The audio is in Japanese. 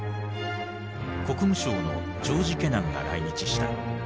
国務省のジョージ・ケナンが来日した。